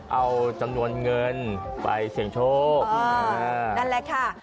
เอาจำนวนเงินไปเสี่ยงโชคนั่นแหละค่ะ